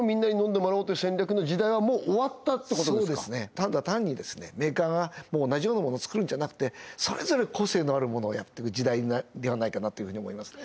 ただ単にメーカーが同じようなものを造るんじゃなくてそれぞれ個性のあるものをやってく時代ではないかなと思いますね